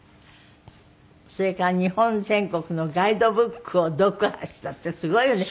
それから日本全国のガイドブックを読破したってすごいよね。